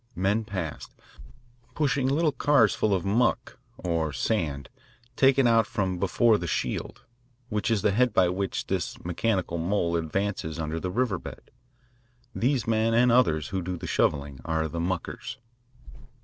Men passed, pushing little cars full of "muck" or sand taken out from before the "shield" which is the head by which this mechanical mole advances under the river bed. These men and others who do the shovelling are the "muckers."